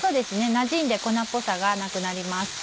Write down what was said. なじんで粉っぽさがなくなります。